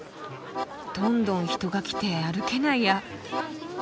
どんどん人が来て歩けないや。